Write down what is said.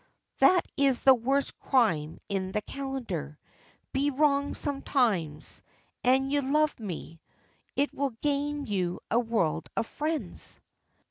"That is the worst crime in the calendar. Be wrong sometimes, an' you love me, it will gain you a world of friends."